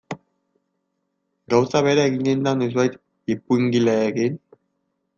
Gauza bera eginen da noizbait ipuingileekin?